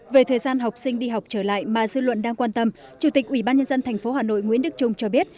về thời gian học sinh đi học trở lại mà dư luận đang quan tâm chủ tịch ubnd tp hà nội nguyễn đức trung cho biết